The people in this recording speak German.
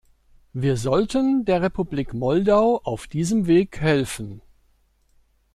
Wir sollten der Republik Moldau auf diesem Weg helfen.